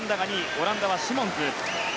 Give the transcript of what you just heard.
オランダはシモンズ。